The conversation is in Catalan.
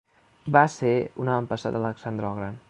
Va ser un avantpassat d'Alexandre el Gran.